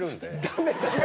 ダメダメ！